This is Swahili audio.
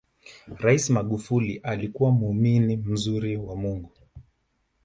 rais magufuli alikuwa muumini mzuri wa mungu